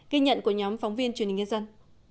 ghi nhận của nhóm phóng viên truyền hình nhân dân